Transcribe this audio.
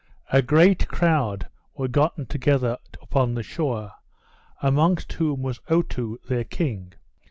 A great crowd were gotten together upon the shore; amongst whom was Otoo their king.